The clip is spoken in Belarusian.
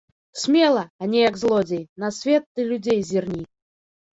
Смела, а не як злодзей, на свет і людзей зірні!